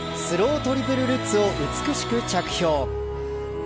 スロートリプルルッツを美しく着氷。